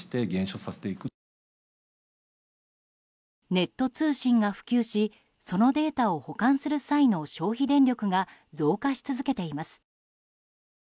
ネット通信が普及しそのデータを保管する際の消費電力が増加し続けています。